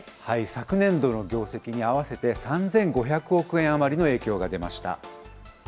昨年度の業績に合わせて３５００億円余りの影響が出ました。